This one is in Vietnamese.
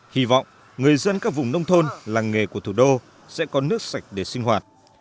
hy vọng người dân các vùng nông thôn làng nghề của thủ đô sẽ có nước sạch để sinh hoạt